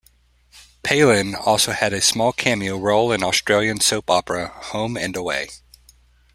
Palin also had a small cameo role in Australian soap opera "Home and Away".